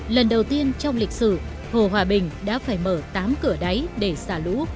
lần đầu tiên trong lịch sử hồ hòa bình đã phải mở tám cửa đáy để xả lũ